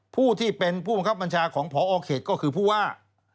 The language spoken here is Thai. ผู้ที่เป็นผู้บังคับบัญชาของพอเขตก็คือผู้ว่า